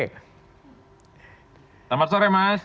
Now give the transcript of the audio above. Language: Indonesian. selamat sore mas